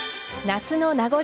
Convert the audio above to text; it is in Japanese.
夏の名残